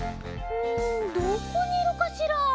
うんどこにいるかしら。